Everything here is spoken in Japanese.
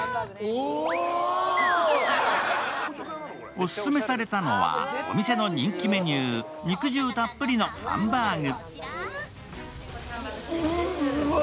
オススメされたのは、お店の人気メニュー、肉汁たっぷりのハンバーグ。